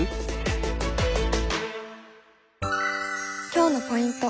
今日のポイント